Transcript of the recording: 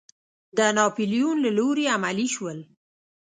د ناپیلیون له لوري عملي شول.